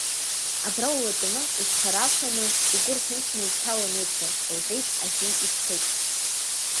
Абра улатәаны, узхара афаны, угәы рҭынчны ушьҭалан уцәа, — лҳәеит ажьи иԥҳәыс.